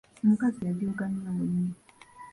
Omukazi yajooga nnyo munne.